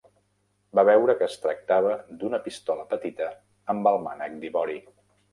Va veure que es tractava d'una pistola petita amb el mànec d'ivori.